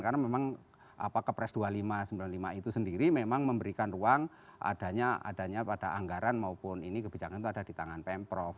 karena memang kepres dua ribu lima ratus sembilan puluh lima itu sendiri memang memberikan ruang adanya pada anggaran maupun ini kebijakan itu ada di tangan pemprov